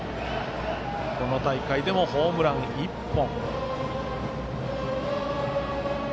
この大会でもホームラン１本。